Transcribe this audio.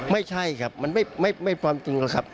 ไม่ใช่ครับมันไม่พร้อมจริงเลยครับ